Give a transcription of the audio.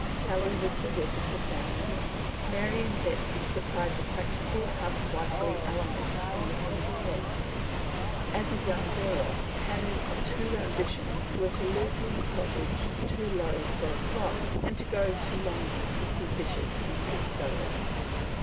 Sally was the wit of the family. Mary and Betsy supplied the practical, housewifely element in the quintet. As a little girl, Hannah's two ambitions were to "live in a cottage too low for a clock, and to go to London to see bishops and booksellers!"